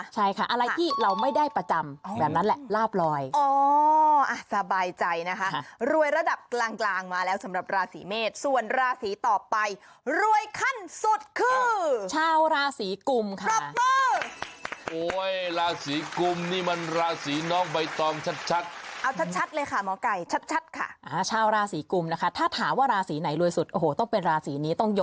ใช่ค่ะอะไรที่เราไม่ได้ประจำแบบนั้นแหละลาบลอย